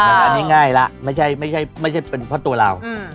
อ่าอันนี้ง่ายล่ะไม่ใช่ไม่ใช่ไม่ใช่เป็นเพราะตัวเราอืม